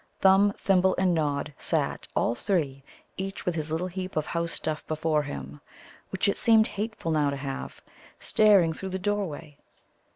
Thumb, Thimble, and Nod sat all three, each with his little heap of house stuff before him, which it seemed hateful now to have, staring through the doorway.